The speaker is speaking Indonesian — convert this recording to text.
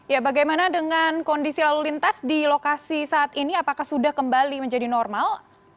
ya bagaimana dengan kondisi lalu lintas di lokasi saat ini apakah sudah kembali menjadi normal